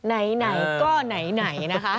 ไหนก็ไหนนะคะ